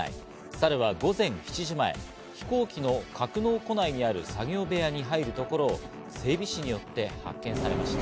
サルは午前７時前、飛行機の格納庫内にある作業部屋に入るところを整備士によって発見されました。